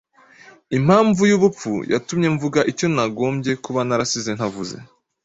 Impamvu yubupfu yatumye mvuga icyo nagombye kuba narasize ntavuze.